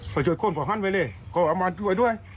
ไปช่วยคนบอกให้รับมาช่วยด้วย